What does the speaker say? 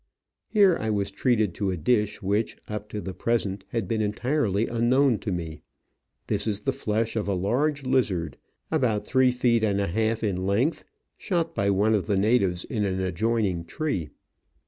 Here I was treated to a dish which, up to the present, had been entirely unknown to me. This is the flesh of a large lizard, about three feet and a half in length, shot by one of the natives in an adjoining tree.